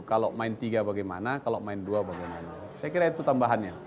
kalau main tiga bagaimana kalau main dua bagaimana saya kira itu tambahannya